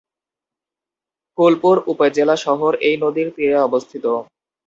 ফুলপুর উপজেলা শহর এই নদীর তীরে অবস্থিত।